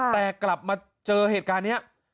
แต่กลับมาเจอเหตุการณ์นี้